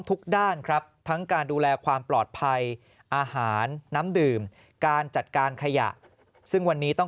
ทุกด้านครับทั้งการดูแลความปลอดภัยอาหารน้ำดื่มการจัดการขยะซึ่งวันนี้ต้อง